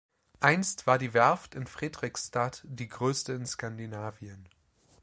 Einst war die Werft in Fredrikstad die größte in Skandinavien.